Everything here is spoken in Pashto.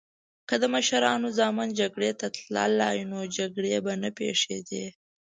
که د مشرانو ځامن جګړی ته تللی نو جګړې به نه پیښیدی